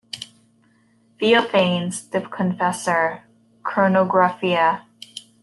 Theophanes the Confessor, "Chronographia".